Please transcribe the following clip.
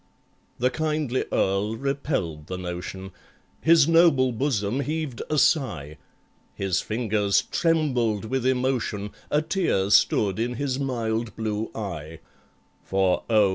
The kindly Earl repelled the notion; His noble bosom heaved a sigh, His fingers trembled with emotion, A tear stood in his mild blue eye: For, oh!